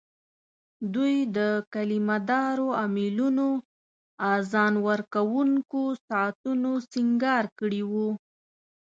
دوی د کلیمه دارو امېلونو، اذان ورکوونکو ساعتو سینګار کړي وو.